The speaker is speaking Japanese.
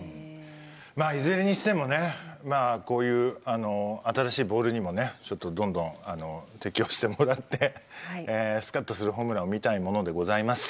まあいずれにしてもねまあこういう新しいボールにもねちょっとどんどん適応してもらってスカッとするホームランを見たいものでございます。